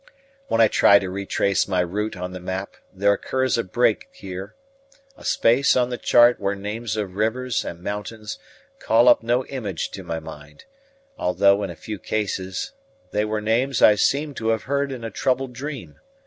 When I try to retrace my route on the map, there occurs a break here a space on the chart where names of rivers and mountains call up no image to my mind, although, in a few cases, they were names I seem to have heard in a troubled dream.